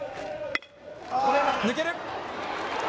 抜ける！